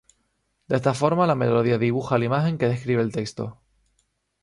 De esta forma la melodía dibuja la imagen que describe el texto.